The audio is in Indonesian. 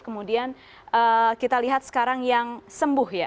kemudian kita lihat sekarang yang sembuh ya